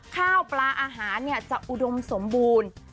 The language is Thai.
ข้าวปลาอาหารจะอุดมสมบูรณ์